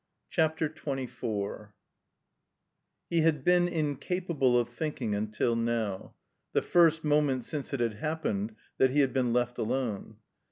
CHAPTER XXIV HE had been incapable of thinking until now, the first moment (since it had happened) that he had been left alone.